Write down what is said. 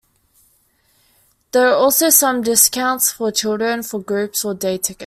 There are also some discounts for children for groups or day tickets.